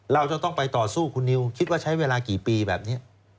เราจะต้องไปต่อสู้คุณนิวคิดว่าใช้เวลากี่ปีแบบนี้